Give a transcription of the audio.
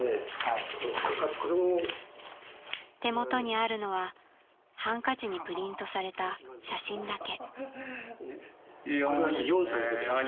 ［手元にあるのはハンカチにプリントされた写真だけ］